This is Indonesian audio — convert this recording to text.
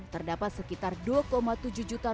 terdapat sekitar dua tujuh juta